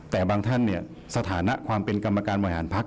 แต่บางท่านสถานะความเป็นกรรมการวัยหารพรรค